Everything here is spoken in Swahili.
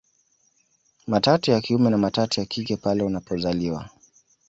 Matatu ya kiume na matatu ya kike pale unapozaliwa